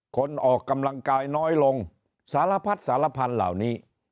ออกกำลังกายน้อยลงสารพัดสารพันธุ์เหล่านี้